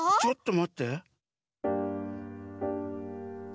ちょっとまって。